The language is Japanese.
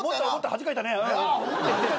恥かいたよ。